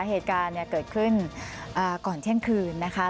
เหตุการณ์เกิดขึ้นก่อนเที่ยงคืนนะคะ